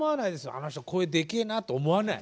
あの人声でけえなと思わない。